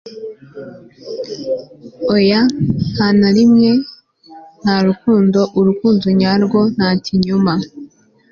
oya nta na rimwe, nta rukundo, urukundo nyarwo, nta kinyoma